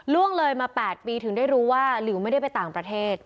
ล่วงเลยมา๘ปีถึงได้รู้ว่าหลิวไม่ได้ไปต่างประเทศ